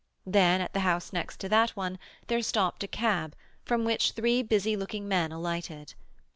Then, at the house next to that one, there stopped a cab, from which three busy looking men alighted.